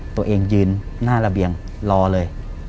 ตัวเองยืนหน้าระเบียงรอเลย